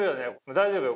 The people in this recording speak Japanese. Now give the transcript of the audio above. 大丈夫よ。